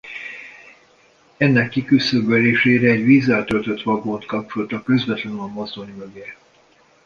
Ennek kiküszöbölésére egy vízzel töltött vagont kapcsoltak közvetlenül a mozdony mögé.